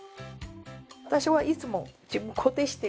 私はいつも自分固定してる。